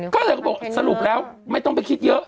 ก็เลยก็บอกสรุปแล้วไม่ต้องไปคิดเยอะ